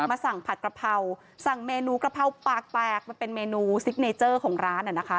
มาสั่งผัดกระเพราสั่งเมนูกระเพราปากแตกมันเป็นเมนูซิกเนเจอร์ของร้านอ่ะนะคะ